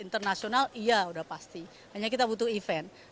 internasional iya udah pasti hanya kita butuh event